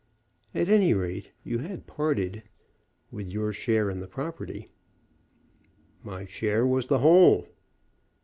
"At any rate, you had parted with your share in the property." "My share was the whole."